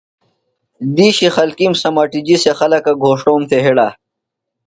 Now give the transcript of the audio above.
دِیشی خلکِیم سمٹِجیۡ سےۡ خلکہ گھوݜٹوم تھےۡ ہڑہ۔